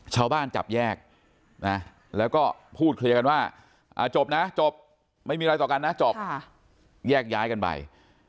จับแยกนะแล้วก็พูดเคลียร์กันว่าจบนะจบไม่มีอะไรต่อกันนะจบแยกย้ายกันไป